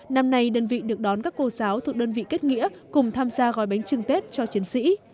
năm nay đơn vị được đón các cô giáo thuộc đơn vị kết nghĩa cùng tham gia gói bánh trưng tết cho chiến sĩ